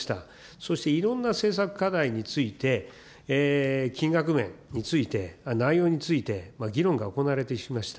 そしていろんな政策課題について、金額面について、内容について、議論が行われてきました。